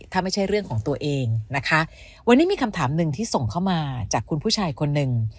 ถ้าไม่ใช่เรื่องของตัวเองนะคะวันนี้มีคำถามหนึ่งที่ส่งเข้ามาจากคุณผู้ชายคนหนึ่ง